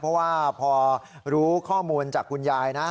เพราะว่าพอรู้ข้อมูลจากคุณยายนะ